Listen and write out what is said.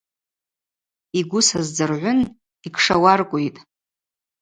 Йгвы саздзыргӏвын – йкшауаркӏвитӏ.